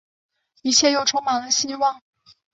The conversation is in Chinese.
一切又充满了希望